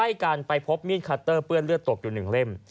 ใกล้กันไปพบมีดคัตเตอร์เปื้อนเลือดตกอยู่๑เล่ม